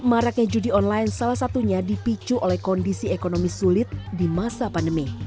maraknya judi online salah satunya dipicu oleh kondisi ekonomi sulit di masa pandemi